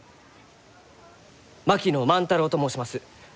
槙野万太郎と申します。